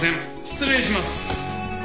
失礼します。